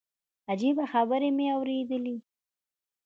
عجيبه خبرې مې اورېدلې.